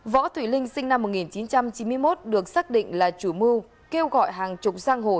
võ thùy linh sinh năm một nghìn chín trăm chín mươi một được xác định là chủ mưu kêu gọi hàng chục giang hồ